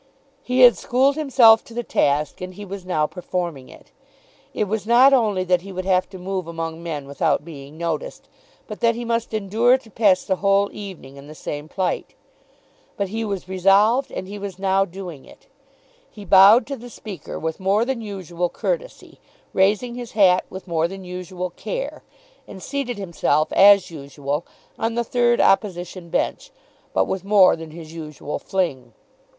He had schooled himself to the task, and he was now performing it. It was not only that he would have to move among men without being noticed, but that he must endure to pass the whole evening in the same plight. But he was resolved, and he was now doing it. He bowed to the Speaker with more than usual courtesy, raising his hat with more than usual care, and seated himself, as usual, on the third opposition bench, but with more than his usual fling.